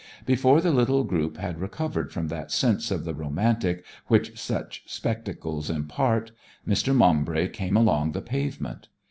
Before the little group had recovered from that sense of the romantic which such spectacles impart, Mr. Maumbry came along the pavement.